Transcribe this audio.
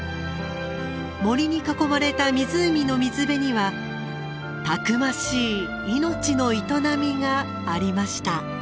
森に囲まれた湖の水辺にはたくましい命の営みがありました。